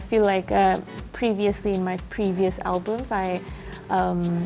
saya merasa seperti album sebelumnya